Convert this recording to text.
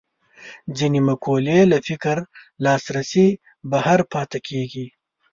ځینې مقولې له فکر لاسرسي بهر پاتې کېږي